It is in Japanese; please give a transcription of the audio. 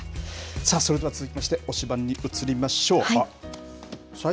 さあ、それでは続きまして推しバン！に移りましょう。